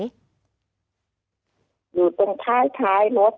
อยู่ตรงข้างท้ายรถ